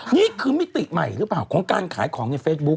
มิติใหม่หรือเปล่าของการขายของในเฟซบุ๊ค